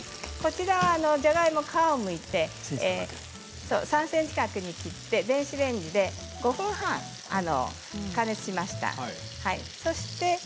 じゃがいもの皮をむいて３ｃｍ角に切って電子レンジで５分半加熱しました。